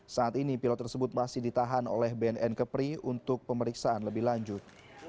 saat ini pilot tersebut masih ditahan oleh bnn kepri untuk pemeriksaan lebih lanjut